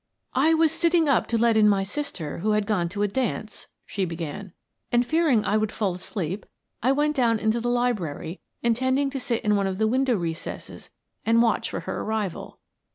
"I was sitting up to let in my sister, who had gone to a dance," she began, "and fearing I would fall asleep I went down into the library, intending to sit in one of the window recesses and watch for her arrival.